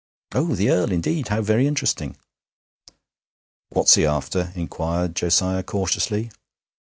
'Oh, the Earl! Indeed; how very interesting.' 'What's he after?' inquired Josiah cautiously.